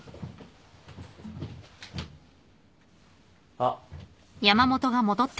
あっ。